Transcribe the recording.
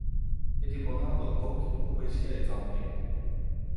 এটি প্রধানতঃ দক্ষিণ-পূর্ব এশিয়ায় জন্মে।